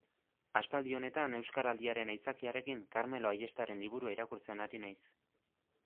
Aspaldi honetan, Euskaraldiaren aitzakiarekin, Karmelo Ayestaren liburua irakurtzen ari naiz.